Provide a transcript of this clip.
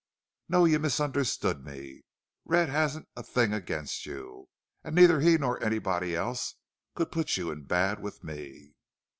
"No. You misunderstood me. Red hasn't a thing against you. And neither he nor anybody else could put you in bad with me."